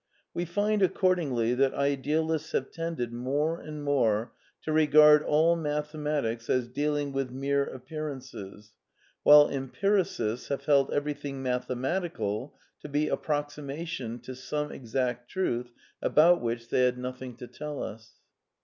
We find, accordingly, that idealists have tended more and more to regard all mathematics as dealing with mere appearances, while empiricists have held everything mathematical to be approximation to some exact truth about which they had nothing to tell us."